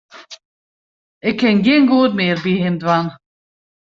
Ik kin gjin goed mear by him dwaan.